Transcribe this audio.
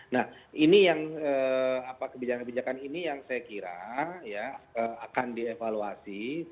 nah ini yang kebijakan kebijakan ini yang saya kira akan dievaluasi